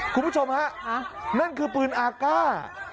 คุณผู้ชมฮะนั่นคือปืนอากาศ